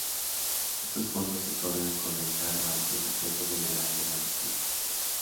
Estos fondos se otorgan con cargo al Presupuesto General de la República.